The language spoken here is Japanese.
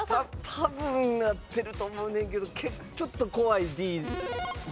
多分合ってると思うねんけどちょっと怖いＤいってもいいですか？